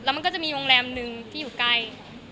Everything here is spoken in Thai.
มันก็จะมีโรงแรมหนึ่งที่อยู่ใกล้